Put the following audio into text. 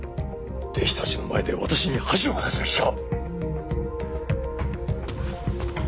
弟子たちの前で私に恥をかかせる気か！